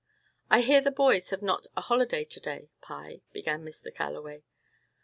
"I hear the boys have not a holiday to day, Pye," began Mr. Galloway.